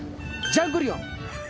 ジャングリオン。